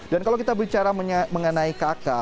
dan kalau kita bicara mengenai kakak